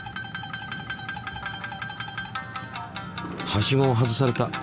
はしごを外された。